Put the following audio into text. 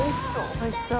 おいしそう。